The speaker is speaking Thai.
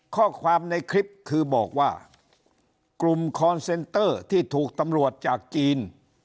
ข้อความในคลิปคือบอกว่ากลุ่มคอนเซนเตอร์ที่ถูกตำรวจจากจีน